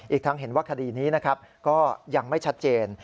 อีกทั้งเห็นว่าคดีนี้นะครับก็ยังไม่ชัดเจน